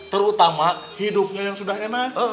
terutama hidupnya yang sudah enak